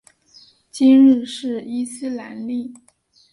今日是伊斯兰历。